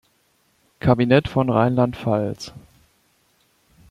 Kabinett von Rheinland-Pfalz.